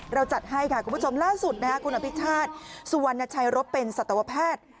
จัดให้ค่ะคุณผู้ชมล่าสุดคุณอภิชาติสุวรรณชัยรบเป็นสัตวแพทย์